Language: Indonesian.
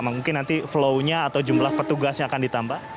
mungkin nanti flow nya atau jumlah petugasnya akan ditambah